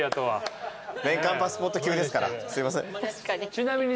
ちなみに。